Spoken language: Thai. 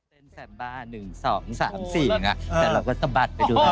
เต้นแซมบาร์๑๒๓๔อ่ะแต่เราก็สะบัดไปดูนะ